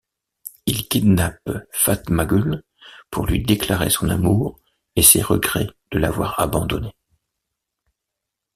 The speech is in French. Il kidnappe Fatmagül, pour lui déclarer son amour et ses regrets de l'avoir abandonnée.